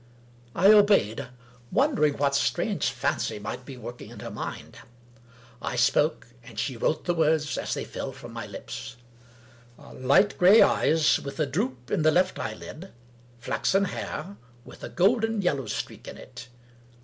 I obeyed ; wondering what strange fancy might be work ing in her mind. I spoke; and she wrote the words as they fell from my lips: " Light gray eyes, with a droop in the left eyelid. Flaxen hair, with a golden yellow streak in it.